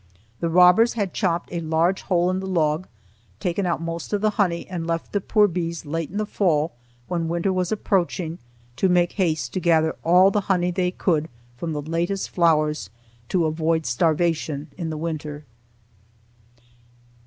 The robbers had chopped a large hole in the log, taken out most of the honey, and left the poor bees late in the fall, when winter was approaching, to make haste to gather all the honey they could from the latest flowers to avoid starvation in the winter.